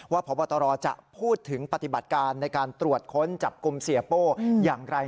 พบตรจะพูดถึงปฏิบัติการในการตรวจค้นจับกลุ่มเสียโป้อย่างไร